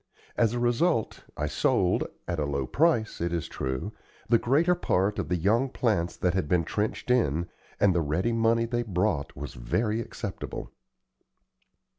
As a result, I sold, at a low price, it is true, the greater part of the young plants that had been trenched in, and the ready money they brought was very acceptable.